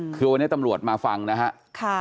คือวันนี้ตำรวจมาฟังนะครับ